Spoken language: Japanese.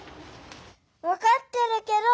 わかってるけど！